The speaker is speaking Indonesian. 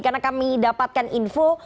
karena kami dapatkan info